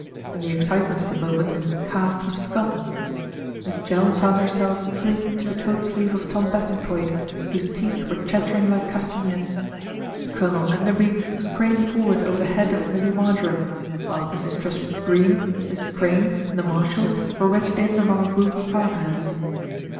In the excitement of the moment caste was forgotten. Miss Jell found herself clinging to the coat sleeve of Tom Bassingthwaighte, whose teeth were chattering like castanets. Colonel Enderby was craning forward over the head of Millie Marjoram, whilst Mrs. Truspitt Greene, Mrs. Crane and the Marshalls were wedged in among a group of farm hands.